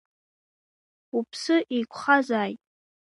Уԥсы еиқәхазааит!